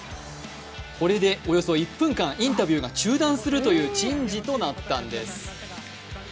これでおよそ１分間、インタビューが中断するという珍事となったんです。